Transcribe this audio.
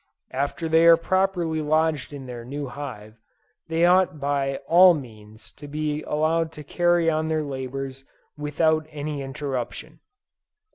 After they are properly lodged in their new hive, they ought by all means to be allowed to carry on their labors without any interruption.